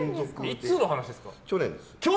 いつの話ですか？